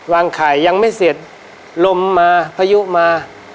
วางไข่ยังไม่เสร็จลมมาประยุมา